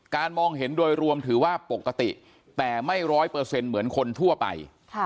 มองเห็นโดยรวมถือว่าปกติแต่ไม่ร้อยเปอร์เซ็นต์เหมือนคนทั่วไป